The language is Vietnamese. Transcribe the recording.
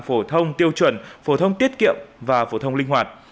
phổ thông tiêu chuẩn phổ thông tiết kiệm và phổ thông linh hoạt